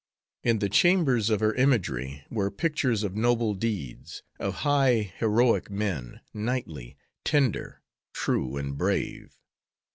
In the chambers of her imagery were pictures of noble deeds; of high, heroic men, knightly, tender, true, and brave.